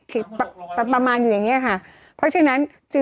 เต็มประมาณอยู่นี้ค่ะ